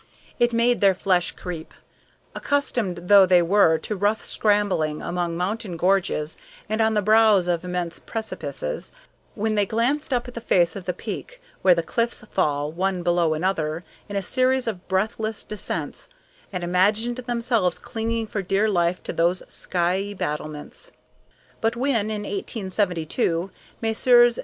It made their flesh creep, accustomed though they were to rough scrambling among mountain gorges and on the brows of immense precipices, when they glanced up the face of the peak, where the cliffs fall, one below another, in a series of breathless descents, and imagined themselves clinging for dear life to those skyey battlements. But when, in 1872, Messrs.